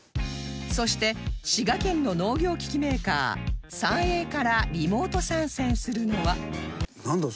そして滋賀県の農業機器メーカーサンエーからリモート参戦するのはなんだ？